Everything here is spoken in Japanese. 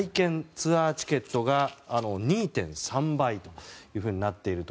ツアーチケットが２．３倍となっていると。